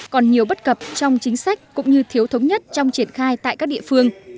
còn nhiều bất cập trong chính sách cũng như thiếu thống nhất trong triển khai tại các địa phương